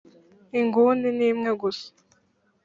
inguni nimwe gusa